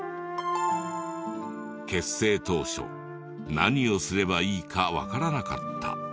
結成当初何をすればいいかわからなかった。